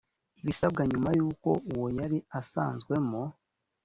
ibisabwa nyuma y uko uwo yari asanzwemo